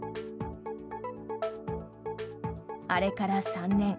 あれから３年。